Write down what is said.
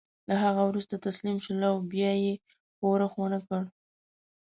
له هغه وروسته تسلیم شول او بیا یې ښورښ ونه کړ.